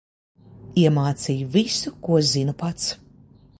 Iemācīju visu, ko zinu pats.